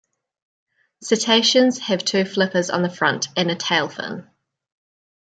Cetaceans have two flippers on the front, and a tail fin.